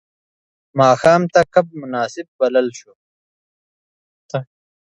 ماښام ته کب مناسب بلل شو.